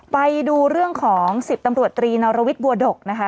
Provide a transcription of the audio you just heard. ไปดูเรื่องของ๑๐ตำรวจตรีนรวิทย์บัวดกนะคะ